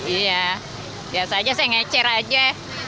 iya biasa aja saya ngecer aja